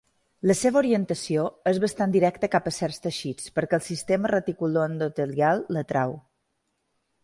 La seva orientació és bastant directa cap a certs teixits perquè el sistema reticuloendotelial l’atrau.